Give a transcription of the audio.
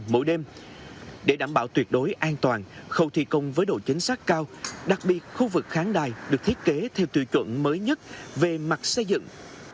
mỗi đêm để đảm bảo tuyệt đối an toàn khâu thi công với độ chính xác cao đặc biệt khu vực khán đài được thiết kế theo tiêu chuẩn mới nhất về mặt xây dựng